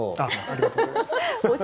ありがとうございます。